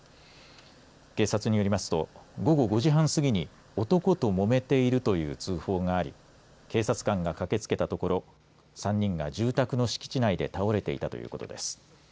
警察によりますと午後５時半過ぎに男ともめているという通報があり警察官が駆けつけたところ３人が住宅の敷地内で倒れていたということです。